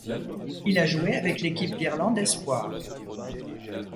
Il a joué avec l'équipe d'Irlande espoirs.